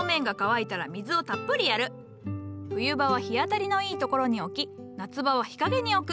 冬場は日当たりのいいところに置き夏場は日陰に置く。